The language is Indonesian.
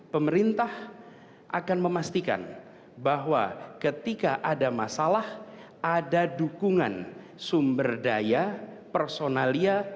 pemerintah akan memastikan bahwa ketika ada masalah ada dukungan sumber daya personalia